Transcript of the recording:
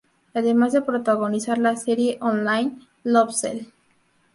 Además de protagonizar la serie online "Love Cell".